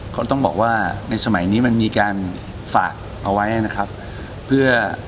เขาต้องบอกว่าในสมัยนี้มันมีการฝากเอาไว้นะครับเพื่อ